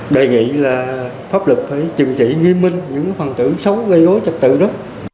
đề nghị là pháp lực phải trừng trị nghiêm minh những phần tử xấu gây gối trật tự đó